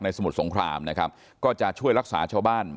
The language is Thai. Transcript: สมุทรสงครามนะครับก็จะช่วยรักษาชาวบ้าน